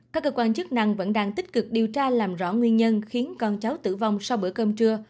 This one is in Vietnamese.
các cơ quan chức năng vẫn đang tích cực điều tra làm rõ nguyên nhân khiến con cháu tử vong sau bữa cơm trưa